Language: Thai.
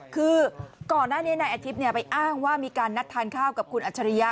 คือก่อนหน้านี้นายอาทิตย์ไปอ้างว่ามีการนัดทานข้าวกับคุณอัจฉริยะ